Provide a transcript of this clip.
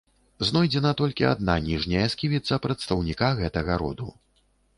Знойдзена толькі адна ніжняя сківіца прадстаўніка гэтага роду.